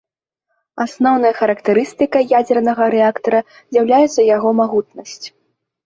Асноўнай характарыстыкай ядзернага рэактара з'яўляецца яго магутнасць.